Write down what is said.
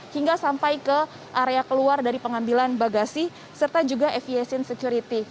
hingga sampai ke area keluar dari pengambilan bagasi serta juga aviation security